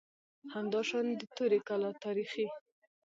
همداشان د توري کلا تاریخي